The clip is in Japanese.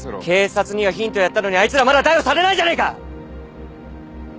警察にはヒントをやったのにあいつらはまだ逮捕されないじゃないか！